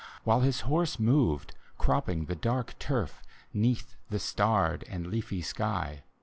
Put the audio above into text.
While his horse moved, cropping the dark turf, 'Neath the starred and leafy sky.